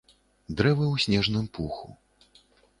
Дрэвы ў снежным пуху.